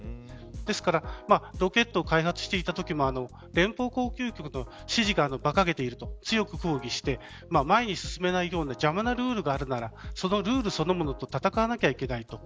ですからロケットを開発していたときも連邦航空局の指示が馬鹿げていると強く抗議して前に進めないような邪魔なルールがあるならルールそのものと戦わなければいけない